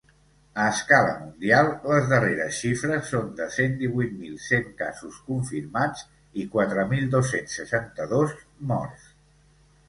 A escala mundial les darreres xifres són de cent divuit mil cent casos confirmats i quatre mil dos-cents seixanta-dos morts.